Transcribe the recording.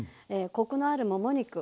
コクのあるもも肉。